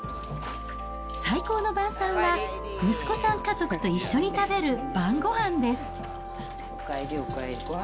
最高の晩さんは息子さん家族と一緒に食べる晩ごはんです。